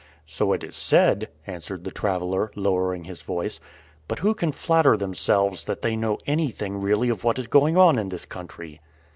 "So it is said," answered the traveler, lowering his voice; "but who can flatter themselves that they know anything really of what is going on in this country?"